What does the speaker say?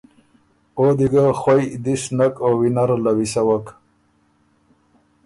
او دی ګۀ خوئ دِس نک او وینره له ویسوَک